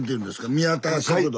宮田食堂？